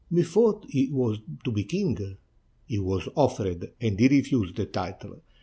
Methought he was to be king —" "He was offered, and he refused the title.